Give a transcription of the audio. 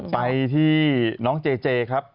ไปที่น้องเจเจครับ